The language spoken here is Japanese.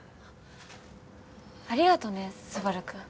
ありがとね昴くん。